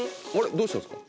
どうしたんすか？